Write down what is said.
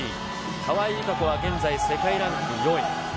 川井友香子は現在世界ランク４位。